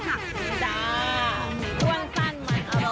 จากถ้วนสั้นมันอร่อย